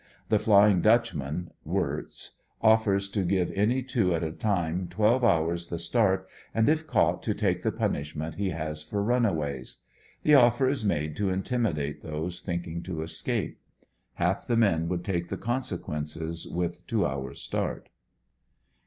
The Flying Dutchman (Wirtz) offers to give any two at a time twelve hours the start, and if caught to take the punishment he has for runaways. The offer is made to intimidate those thinking to escape. Half the men would take the consequences with two hours start.